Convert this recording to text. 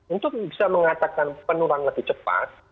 untuk bisa mengatakan penularan lebih cepat